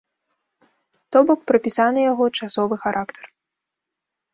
То бок, прапісаны яго часовы характар.